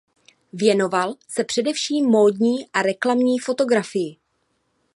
Věnoval se především módní a reklamní fotografii.